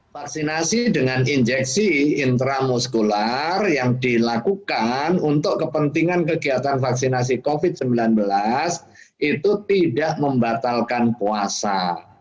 vaksinasi dengan injeksi intramuskular yang dilakukan untuk kepentingan kegiatan vaksinasi covid sembilan belas itu tidak membatalkan puasa